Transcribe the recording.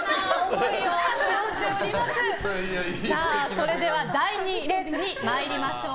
それでは第２レースに参りましょう。